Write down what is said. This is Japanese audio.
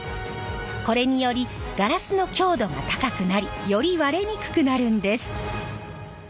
これによりガラスの強度が高くなりより割れにくくなるんです！